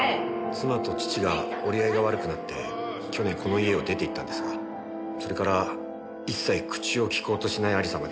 妻と父が折り合いが悪くなって去年この家を出て行ったんですがそれから一切口を聞こうとしない有り様で。